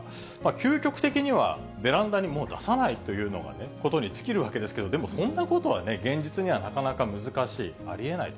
究極的にはベランダにもう出さないということに尽きるわけですけれども、でもそんなことはね、現実にはなかなか難しい、ありえない。